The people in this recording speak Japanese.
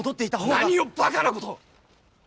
何をバカなことを！